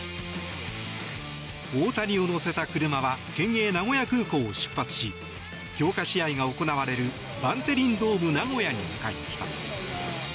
大谷を乗せた車は県営名古屋空港を出発し強化試合が行われるバンテリンドームナゴヤに向かいました。